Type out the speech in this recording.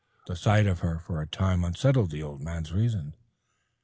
The sight of her for a time unsettled the old man's reason.